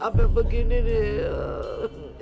apa yang begini nih